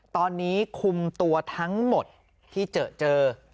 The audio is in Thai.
ตอนนี้คุมตัวทั้งหมดที่เจอ